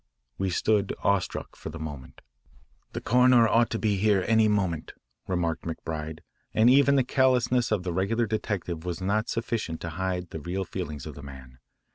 We stood awestruck for the moment. "The coroner ought to be here any moment," remarked McBride and even the callousness of the regular detective was not sufficient to hide the real feelings of the man.